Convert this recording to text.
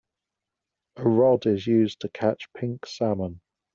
A rod is used to catch pink salmon.